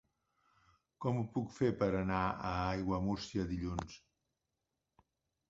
Com ho puc fer per anar a Aiguamúrcia dilluns?